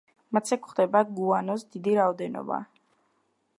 მათზე გვხვდება გუანოს დიდი რაოდენობა.